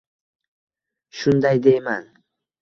Shunday deyman